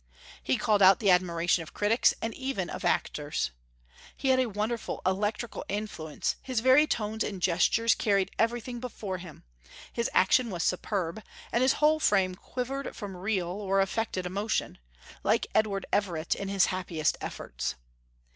He called out the admiration of critics, and even of actors. He had a wonderful electrical influence; his very tones and gestures carried everything before him; his action was superb; and his whole frame quivered from real (or affected) emotion, like Edward Everett in his happiest efforts.